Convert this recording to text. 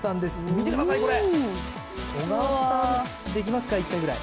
見てください、これ、小川さん、できますか、１回ぐらい。